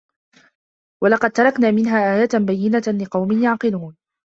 وَلَقَد تَرَكنا مِنها آيَةً بَيِّنَةً لِقَومٍ يَعقِلونَ